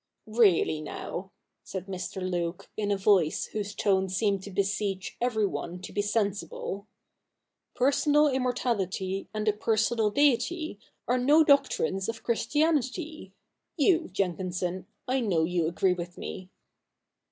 ' Really now —' said Mr. Luke, in a voice whose tone seemed to beseech everyone to be sensible, ' personal CH. Ill] THE NEW REPUBLIC 43 immortality and a personal Deity are no doctrines of Christianity. You, Jenkinson, I know agree with me.'